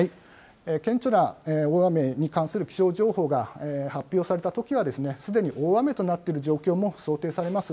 顕著な大雨に関する気象情報が発表されたときは、すでに大雨となっている状況も想定されます。